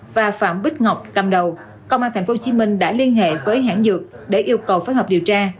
và phạm bích ngọc cầm đầu công an tp hcm đã liên hệ với hãng dược để yêu cầu phối hợp điều tra